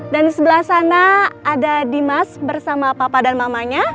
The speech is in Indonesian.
dan di sebelah sana ada dimas bersama papa dan mamanya